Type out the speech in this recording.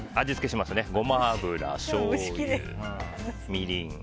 ゴマ油、しょうゆ、みりん。